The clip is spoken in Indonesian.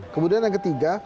kemudian yang ketiga